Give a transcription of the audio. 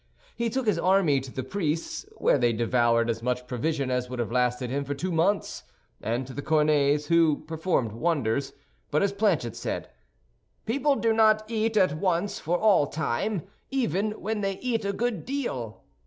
He took his army to the priest's, where they devoured as much provision as would have lasted him for two months, and to the cornet's, who performed wonders; but as Planchet said, "People do not eat at once for all time, even when they eat a good deal."